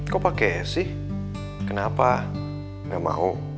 kok pake sih kenapa nggak mau